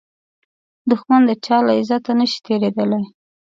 دښمن د چا له عزته نشي تېریدای